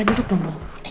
duduk dong mama